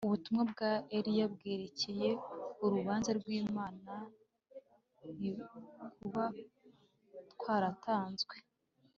ubutumwa bwa Eliya bwerekeye urubanza rwImana ntibuba bwaratanzwe